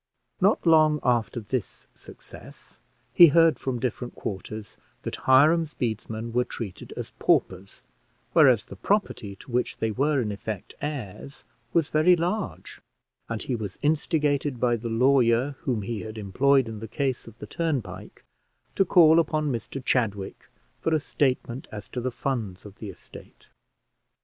Not long after this success, he heard from different quarters that Hiram's bedesmen were treated as paupers, whereas the property to which they were, in effect, heirs was very large; and he was instigated by the lawyer whom he had employed in the case of the turnpike to call upon Mr Chadwick for a statement as to the funds of the estate.